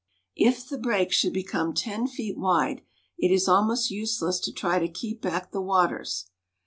If the break should become ten feet wide it is almost useless 156 THE MISSISSIPPI. to try to keep back the waters.